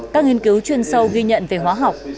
các nghiên cứu chuyên sâu ghi nhận về hóa học